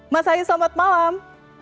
mas hayu selamat malam